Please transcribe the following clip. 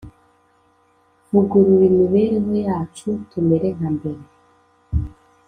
vugurura imibereho yacu, tumere nka mbere.